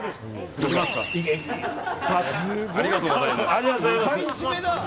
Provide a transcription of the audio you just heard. ありがとうございます。